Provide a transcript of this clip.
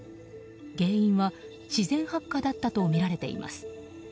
原因は自然発火だったとみられています。